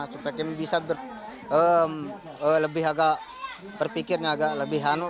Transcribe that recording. supaya kita bisa lebih agak berpikirnya agak lebih hano